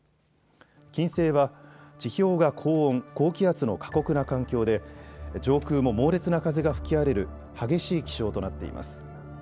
金星は地表が高温、高気圧の過酷な環境で上空も猛烈な風が吹き荒れる激しい気象となっています。